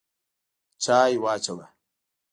چای واچوه!